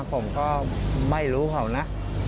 ผมก็ไม่รู้เขานะ